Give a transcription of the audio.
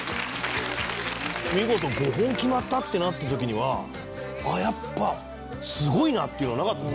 見事５本決まったってなった時にはやっぱすごいなっていうのはなかった？